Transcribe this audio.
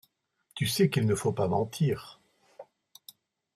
Tu sais qu’il ne faut pas mentir…